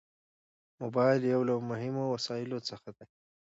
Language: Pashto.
موبایل یو له مهمو وسایلو څخه دی.